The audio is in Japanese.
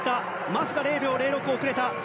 マスが０秒０６遅れた。